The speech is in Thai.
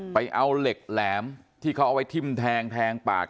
ไปเอาเหล็กแหลมที่เขาเอาไว้ทิ้มแทงแทงปาก